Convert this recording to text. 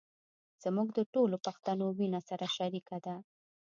زموږ د ټولو پښتنو وينه سره شریکه ده.